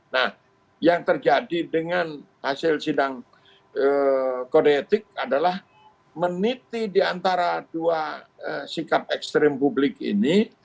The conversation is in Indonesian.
nah yang terjadi dengan hasil sidang kode etik adalah meniti di antara dua sikap ekstrim publik ini